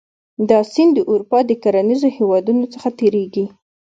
دا سیند د اروپا د کرنیزو هېوادونو څخه تیریږي.